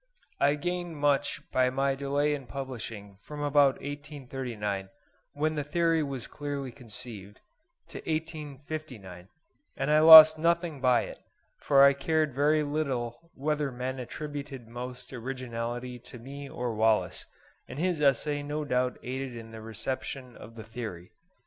I gained much by my delay in publishing from about 1839, when the theory was clearly conceived, to 1859; and I lost nothing by it, for I cared very little whether men attributed most originality to me or Wallace; and his essay no doubt aided in the reception of the theory.